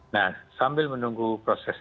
nah sambil menunggu proses